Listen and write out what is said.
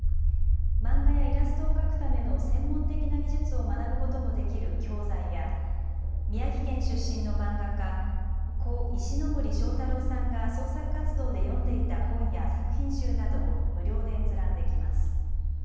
漫画やイラストを描くための専門的な技術を学ぶこともできる教材や宮城県出身の漫画家、故石ノ森章太郎さんが創作活動で読んでいた本や作品集などを無料で閲覧できます。